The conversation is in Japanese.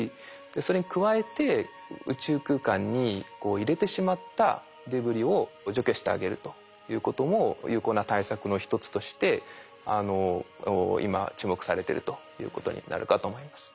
それに加えて宇宙空間に入れてしまったデブリを除去してあげるということも有効な対策の一つとして今注目されてるということになるかと思います。